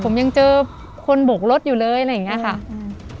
ผมยังเจอคนบกรถอยู่เลยอะไรอย่างเงี้ยค่ะอืม